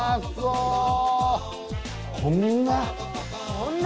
こんな。